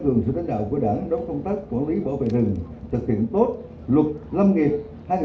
tổ chức tốt công tác quản lý bảo vệ rừng thực hiện tốt luật lâm nghiệp hai nghìn một mươi bảy